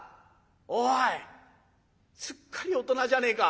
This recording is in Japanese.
おいすっかり大人じゃねえか。